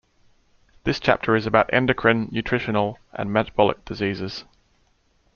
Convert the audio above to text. This chapter is about Endocrine, nutritional and metabolic diseases.